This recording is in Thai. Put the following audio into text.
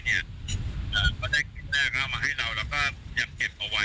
เขาก็ได้คิดแน่เขามาให้เราแล้วก็อยากเก็บเอาไว้